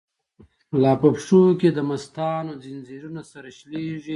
لاپه پښو کی دمستانو، ځنځیرونه سره شلیږی